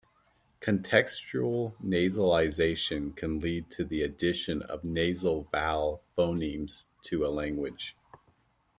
Contextual nasalization can lead to the addition of nasal vowel phonemes to a language.